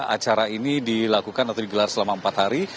acara ini dilakukan atau digelar selama empat hari